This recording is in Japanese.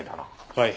はい。